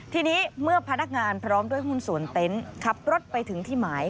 ทีนี้เมื่อพนักงานพร้อมด้วยหุ้นส่วนเต็นต์ขับรถไปถึงที่หมาย